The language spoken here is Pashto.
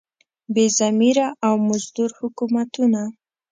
بې ضمیره او مزدور حکومتونه.